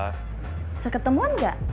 bisa ketemuan ga